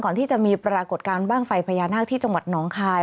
ก่อนที่จะมีปรากฏการณ์บ้างไฟพญานาคที่จังหวัดหนองคาย